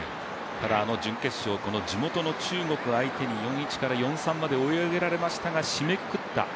準決勝、地元の中国相手に４−１から４−３まで追い上げられましたが、締めくくった。